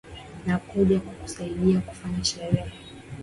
Nakuja kukusaidia kufanya sherehe